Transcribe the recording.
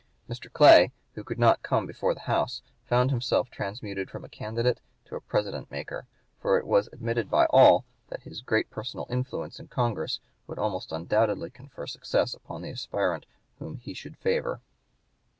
Mr. Clay, who could not come before the House, found himself transmuted from a candidate to a President maker; for it was admitted by all that his great personal influence in Congress would almost undoubtedly confer success upon the aspirant whom he should favor.